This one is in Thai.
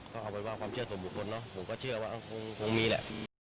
เขาเอาไปว่าความเชื่อสมบูรณ์เนอะผมก็เชื่อว่าอ้าวคงคงมีแหละ